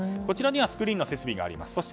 こちらにはスクリーンの設備があります。